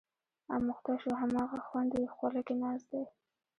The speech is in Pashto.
اموخته شو، هماغه خوند یې خوله کې ناست دی.